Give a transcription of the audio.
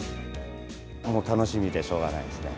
楽しみでしょうがないですね。